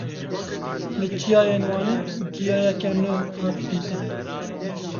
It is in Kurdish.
Li çiyayên Wanê giyayeke nû hat dîtin.